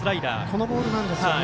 このボールなんですね。